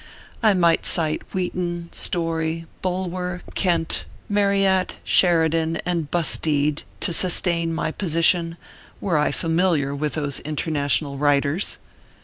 I might cite Wheaton, Story, Bulwer, Kent, Mar ryat, Sheridan, and Busteed, to sustain my position, were I familiar with those international righters.